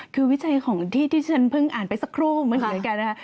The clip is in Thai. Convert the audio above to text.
คือวิจัยที่ฉันเพิ่งอ่านไปสักครู่เหมือนเหมือนกันนะครับ